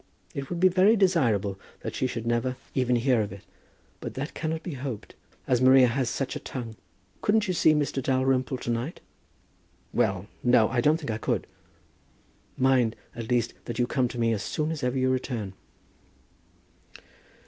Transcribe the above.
It would be very desirable that she should never even hear of it; but that cannot be hoped, as Maria has such a tongue! Couldn't you see Mr. Dalrymple to night?" "Well, no; I don't think I could." "Mind, at least, that you come to me as soon as ever you return."